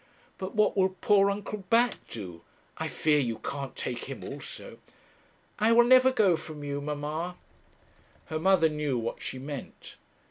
'But what will poor Uncle Bat do? I fear you can't take him also.' 'I will never go from you, mamma.' Her mother knew what she meant.